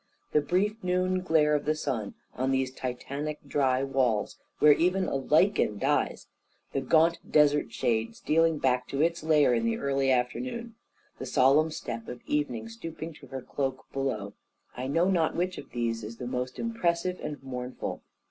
The brief noon glare of the sun on these Titanic dry walls, where even a lichen dies; the gaunt desert shade stealing back to its lair in the early afternoon; the solemn step of evening stooping to her cloak below I know not which of these is the most impressive and mournful.